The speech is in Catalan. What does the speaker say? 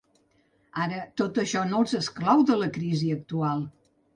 Ara, tot això no els exclou de la crisi actual.